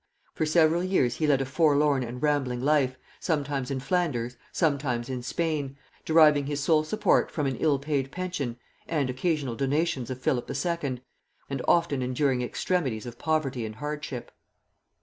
For several years he led a forlorn and rambling life, sometimes in Flanders, sometimes in Spain, deriving his sole support from an ill paid pension and occasional donations of Philip II., and often enduring extremities of poverty and hardship.